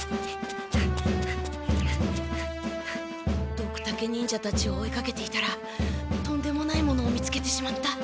ドクタケ忍者たちを追いかけていたらとんでもないものを見つけてしまった。